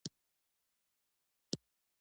منډه د همت او قوت سمبول دی